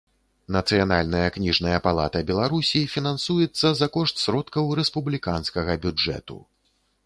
Нацыянальная кнiжная палата Беларусi фiнансуецца за кошт сродкаў рэспублiканскага бюджэту.